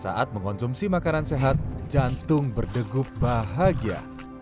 saat mengonsumsi makanan sehat jantung berdegup bahagia